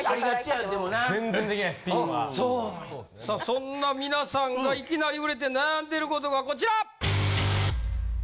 そんな皆さんがいきなり売れて悩んでいる事がこちら！